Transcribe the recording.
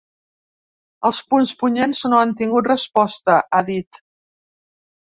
Els punts punyents no han tingut resposta, ha dit.